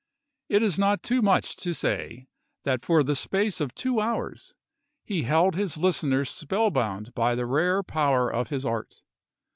It is not too much to say that for the space of two hours he held his listeners spell bound by the rare power of his art.